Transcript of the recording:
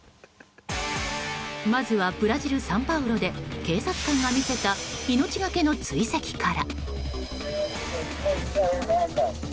まずはブラジル・サンパウロで警察官が見せた命がけの追跡から。